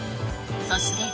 そして